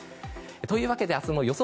というわけで明日の予想